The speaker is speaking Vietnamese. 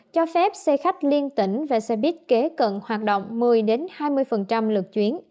cho phép xe khách liên tỉnh và xe buýt kế cận hoạt động một mươi hai mươi lượt chuyến